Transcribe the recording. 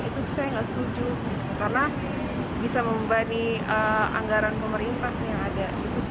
itu saya gak setuju karena bisa membanding anggaran pemerintah yang ada